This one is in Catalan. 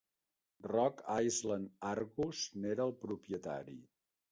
Rock Island Argus n'era el propietari.